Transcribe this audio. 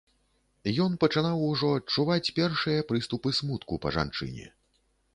Ён пачынаў ужо адчуваць першыя прыступы смутку па жанчыне.